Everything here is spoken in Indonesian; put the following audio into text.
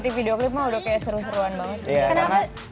tapi kalau citi video klip mah udah kayak seru seruan banget sih